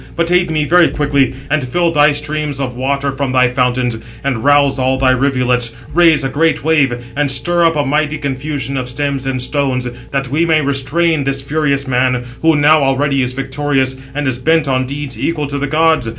But aid me very quickly, and fill thy streams of water from thy fountains, and rouse all thy rivulets, raise a great wave, and stir up a mighty confusion of stems and stones, that we may restrain this furious man, who now already is victorious, and is bent on deeds equal to the gods.